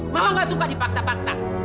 mama gak suka dipaksa paksa